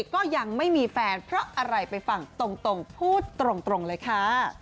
ก็ยังไม่มีแฟนเพราะอะไรไปฟังตรงพูดตรงเลยค่ะ